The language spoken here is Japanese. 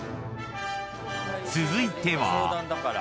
［続いては］